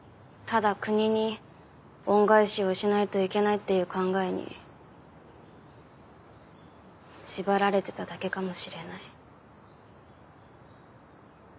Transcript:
ただ国に恩返しをしないといけないっていう考えに縛られてただけかもしれない。